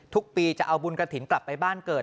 ทุกปีจะเอาบุญกระถิ่นกลับไปบ้านเกิด